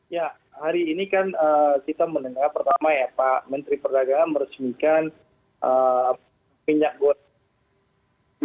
ya hari ini kan kita mendengar pertama ya pak menteri perdagangan meresmikan minyak goreng